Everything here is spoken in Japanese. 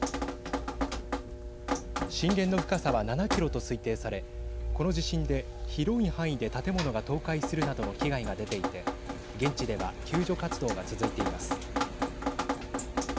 震源の深さは７キロと推定されこの地震で広い範囲で建物が倒壊するなどの被害が出ていて現地では救助活動が続いています。